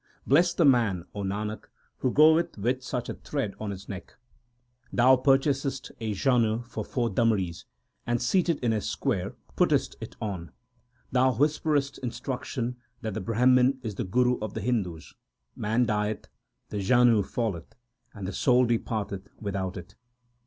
Blest the man, O Nanak, who goeth with such a thread on his neck. Thou purchasest a janeu for four damris, and seated in a square puttest it on ; Thou whisperest instruction that the Brahman is the guru of the Hindus Man dieth, the janeu falleth, and the soul depart eth with out it.